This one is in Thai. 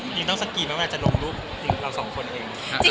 จริงต้องสกรีนไหมเวลาจะลงรูปเราสองคนเอง